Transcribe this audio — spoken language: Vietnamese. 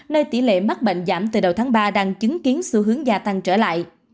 nơi tỷ lệ mắc bệnh giảm từ đầu tháng ba đang chứng kiến xu hướng gia tăng trở lại